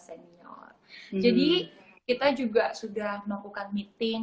senior jadi kita juga sudah melakukan meeting